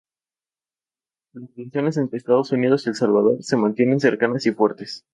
Las relaciones entre Estados Unidos y El Salvador se mantienen cercanas y fuertes.